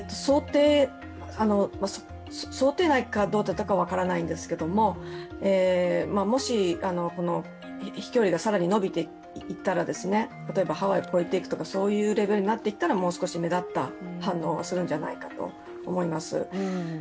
想定内かどうかは分からないんですけどももし飛距離が更に伸びていったら、例えばハワイをこえていくというレベルになっていったらもう少し目立った反応をするんじゃないかと思います。